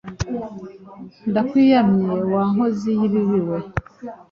Ndakwiyamye wa nkozi y’ibibi we!